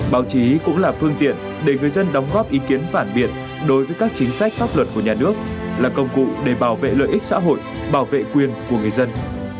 báo chí cũng là phương tiện để người dân đóng góp ý kiến phản biệt đối với các chính sách pháp luật của nhà nước là công cụ để bảo vệ lợi ích xã hội bảo vệ quyền của người dân